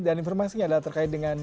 dan informasinya adalah terkait dengan